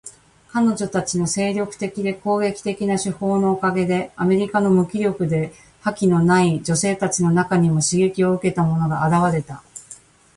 彼女たちの精力的で攻撃的な手法のおかげで、アメリカの無気力で覇気のない女性たちの中にも刺激を受けた者が現れた。